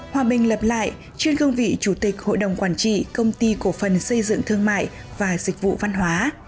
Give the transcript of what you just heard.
hòa bình lập lại trên gương vị chủ tịch hội đồng quản trị công ty cổ phần xây dựng thương mại và dịch vụ văn hóa